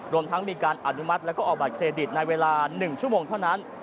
รวมทั้งมีการอนุมัติแล้วก็ออกบัตรเครดิตในเวลา๑ชั่วโมงเท่านั้น